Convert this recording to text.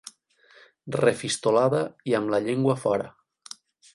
Refistolada i amb la llengua fora.